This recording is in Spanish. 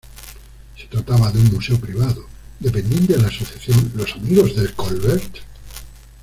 Se trataba de un museo privado, dependiente de la asociación "Los amigos del Colbert".